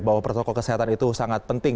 bahwa protokol kesehatan itu sangat penting